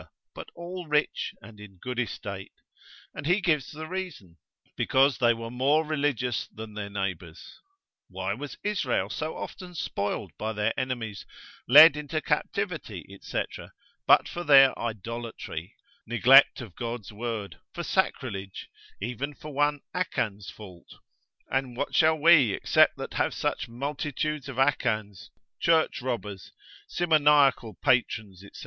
but all rich, and in good estate, and he gives the reason, because they were more religious than, their neighbours: why was Israel so often spoiled by their enemies, led into captivity, &c., but for their idolatry, neglect of God's word, for sacrilege, even for one Achan's fault? And what shall we except that have such multitudes of Achans, church robbers, simoniacal patrons, &c.